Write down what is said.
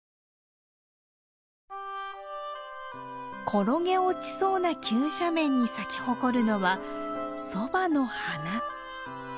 転げ落ちそうな急斜面に咲き誇るのはそばの花。